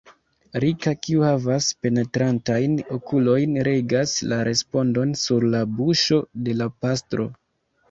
Rika, kiu havas penetrantajn okulojn, legas la respondon sur la buŝo de la pastro.